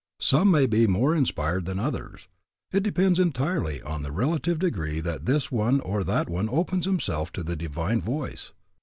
Some may be more inspired than others. It depends entirely on the relative degree that this one or that one opens himself to the Divine voice.